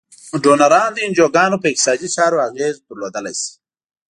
ډونران د انجوګانو په اقتصادي چارو اغیز لرلای شي.